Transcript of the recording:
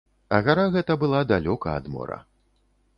А гара гэта была далёка ад мора.